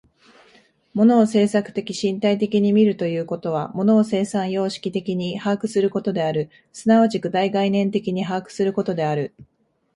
物を制作的身体的に見るということは、物を生産様式的に把握することである、即ち具体概念的に把握することである。